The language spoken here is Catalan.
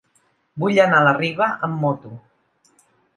Vull anar a la Riba amb moto.